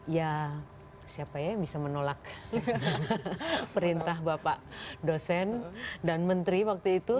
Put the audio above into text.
ya siapa ya yang bisa menolak perintah bapak dosen dan menteri waktu itu